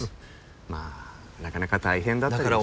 まあなかなか大変だったりも。